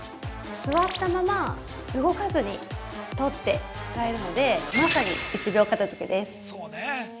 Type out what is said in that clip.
座ったまま、動かずに取って使えるので、まさに１秒片づけです。